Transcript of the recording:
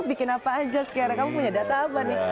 bikin apa aja sekarang kamu punya data apa nih